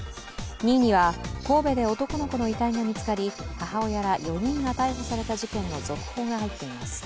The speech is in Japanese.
２位には、神戸で男の子の遺体が見つかり、母親ら４人が逮捕された事件の続報が入っています。